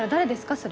それ。